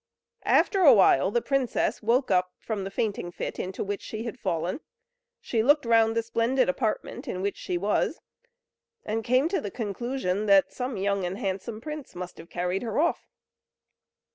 After a while the princess woke up from the fainting fit into which she had fallen. She looked round the splendid apartment in which she was, and came to the conclusion that some young and handsome prince must have carried her off.